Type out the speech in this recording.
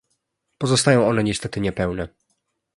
Pozostają one niestety niepełne